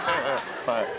はい。